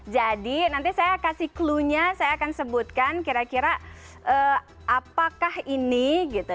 jadi nanti saya kasih clue nya saya akan sebutkan kira kira apakah ini gitu